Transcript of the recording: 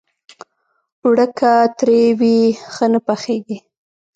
اوړه که ترۍ وي، ښه نه پخېږي